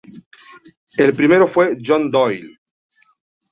El primero fue John Doyle.